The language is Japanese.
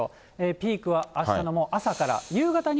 ピークはあしたの朝から。